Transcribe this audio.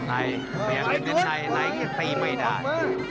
ไหนไหนนี่นี่ตัวจะได้